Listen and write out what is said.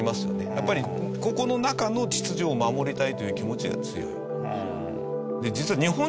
やっぱりここの中の秩序を守りたいという気持ちが強い。